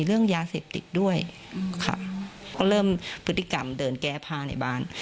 เราก็เริ่มพฤติกรรมเดินแก้พาในบ้าน